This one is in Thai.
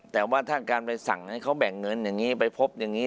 แต่ว่าถ้าการไปสั่งให้เขาแบ่งเงินอย่างนี้ไปพบอย่างนี้